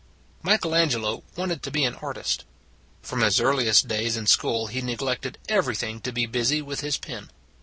Michelangelo wanted to be an artist: from his earliest days in school he neg lected everything to be busy with his pen.